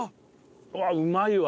うわっうまいわ。